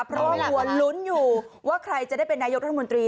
เพราะบางคนลุ้นอยู่ว่าใครจะได้เป็นนายกรธมวงตรี